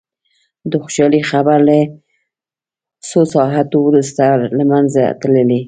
د خوشالي خبر له څو ساعتونو وروسته له منځه تللي.